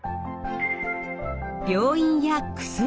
病院や薬